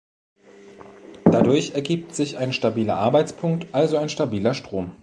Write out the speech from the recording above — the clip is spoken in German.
Dadurch ergibt sich ein stabiler Arbeitspunkt, also ein stabiler Strom.